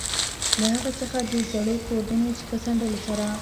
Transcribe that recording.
له هغه څخه د زړو ګردونو په څنډلو سره.